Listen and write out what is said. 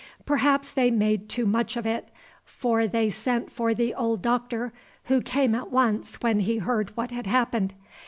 Perhaps they made too much of it; for they sent for the old Doctor, who came at once when he heard what had happened.